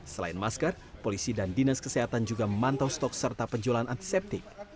selain masker polisi dan dinas kesehatan juga memantau stok serta penjualan antiseptik